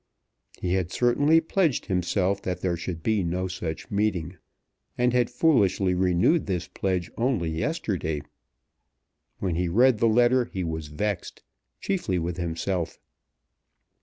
He had certainly pledged himself that there should be no such meeting, and had foolishly renewed this pledge only yesterday. When he read the letter he was vexed, chiefly with himself.